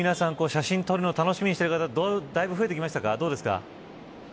写真撮るの楽しみにしている方だいぶ増えてきましたか。